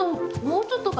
もうちょっと？